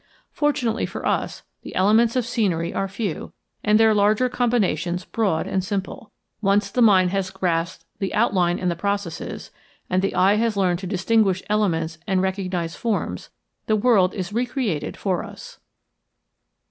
Fortunately for us, the elements of scenery are few, and their larger combinations broad and simple. Once the mind has grasped the outline and the processes, and the eye has learned to distinguish elements and recognize forms, the world is recreated for us.